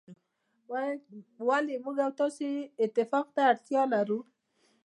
ولي موږ او تاسو اتفاق ته اړتیا لرو.